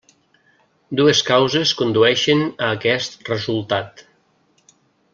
Dues causes condueixen a aquest resultat.